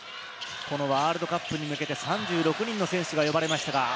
ワールドカップに向けて３６人の選手が呼ばれましたが。